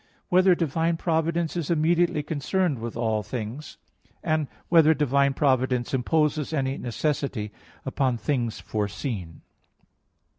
(3) Whether divine providence is immediately concerned with all things? (4) Whether divine providence imposes any necessity upon things foreseen?